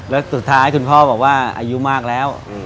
แล้วสุดท้ายคุณพ่อบอกว่าอายุมากแล้ว